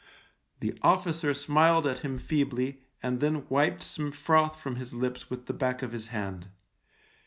The officer smiled at him feebly and then wiped some froth from his lips with the back of his hand.